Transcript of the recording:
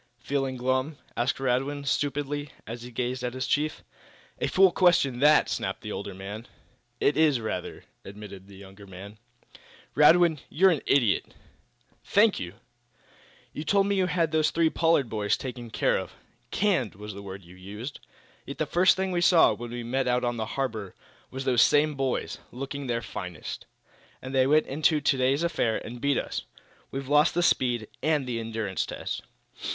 "Feeling glum?" asked Radwin, stupidly, as he gazed at his chief. "A fool question that!" snapped the older man. "It is, rather," admitted the younger man. "Radwin, you're an idiot!" "Thank you!" "You told me you had those three Pollard boys taken care of 'canned' was the word you used. Yet, the first thing we saw, when we me out on the harbor, was those same boys, looking their finest. And they went into today's affair and beat us. We've lost the speed and endurance test."